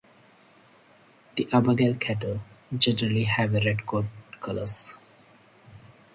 The Abergele cattle generally have red coat colours.